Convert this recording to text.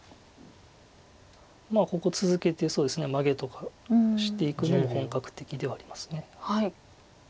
ここ続けてマゲとかしていくのも本格的ではあります。